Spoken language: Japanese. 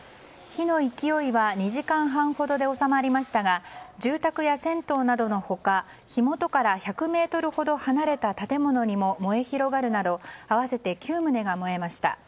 火の勢いは２時間半ほどで収まりましたが住宅や銭湯などの他火元から１００ｍほど離れた建物にも燃え広がるなど合わせて９棟が燃えました。